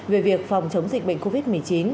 về việc phòng chống dịch bệnh covid một mươi chín